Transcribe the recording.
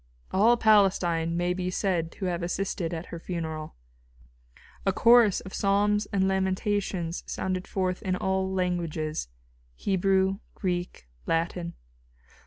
All Palestine may be said to have assisted at her funeral. A chorus of psalms and lamentations sounded forth in all languages Hebrew, Greek, Latin.